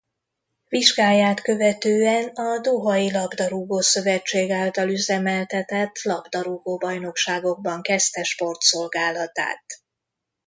Vizsgáját követően a Dohai Labdarúgó-szövetség által üzemeltetett labdarúgó bajnokságokban kezdte sportszolgálatát.